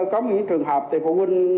có những trường hợp thì phụ huynh